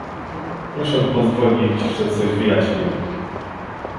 Proszę pozwolić, że coś wyjaśnię